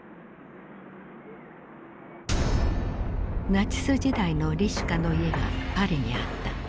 ナチス時代のリシュカの家がパリにあった。